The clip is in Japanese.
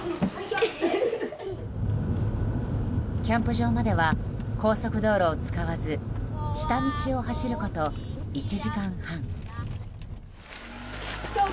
キャンプ場までは高速道路を使わず下道を走ること、１時間半。